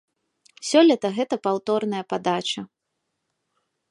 Сёлета гэта паўторная падача.